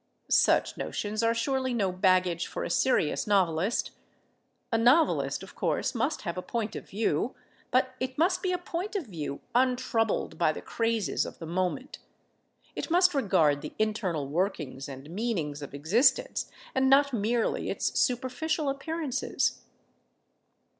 Such notions are surely no baggage for a serious novelist. A novelist, of course, must have a point of view, but it must be a point of view untroubled by the crazes of the moment, it must regard the internal workings and meanings of existence and not merely its superficial appearances.